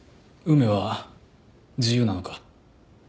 梅は自由なのか？